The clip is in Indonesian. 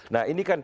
nah ini kan